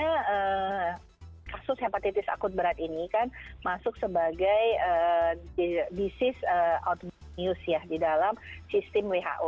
kekuatan kasus hepatitis akut berat ini kan masuk sebagai disease out of the news ya di dalam sistem who